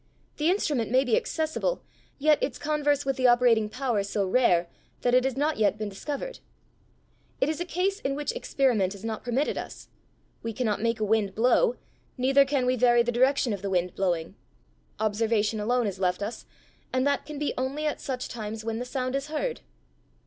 The instrument may be accessible, yet its converse with the operating power so rare that it has not yet been discovered. It is a case in which experiment is not permitted us: we cannot make a wind blow, neither can we vary the direction of the wind blowing; observation alone is left us, and that can be only at such times when the sound is heard."